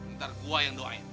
ntar gua yang doain